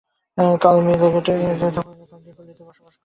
কাল মি লেগেটের কাছে চলে যাচ্ছি কয়েকদিন পল্লীতে বাস করবার জন্য।